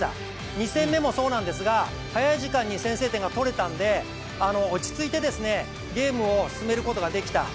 ２戦目もそうなんですが早い時間に先制点がとれたんで、落ち着いてゲームを進めることができた。